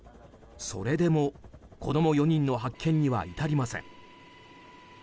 それでも子供４人の発見には至りません。